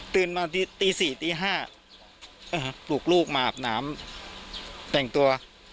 ตื่นมาตีตีสี่ตีห้าอ่าปลูกลูกมาอาบน้ำแต่งตัว